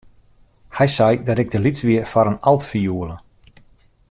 Hy sei dat ik te lyts wie foar in altfioele.